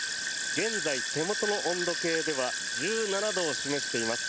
現在、手元の温度計では１７度を示しています。